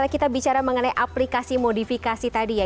kita bicara mengenai aplikasi modifikasi tadi ya